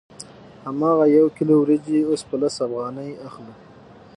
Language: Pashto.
هماغه یو کیلو وریجې اوس په لس افغانۍ اخلو